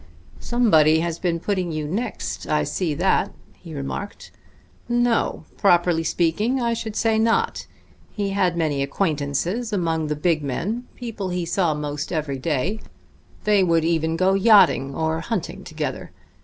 "Somebody has been putting you next, I see that," he remarked. "No: properly speaking, I should say not. He had many acquaintances among the big men, people he saw 'most every day; they would even go yachting or hunting together.